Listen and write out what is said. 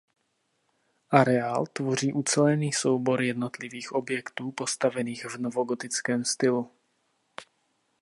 Areál tvoří ucelený soubor jednotlivých objektů postavených v novogotickém stylu.